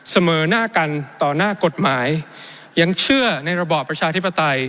เสมอหน้ากันต่อหน้ากฎหมายยังเชื่อในระบอบประชาธิปไตย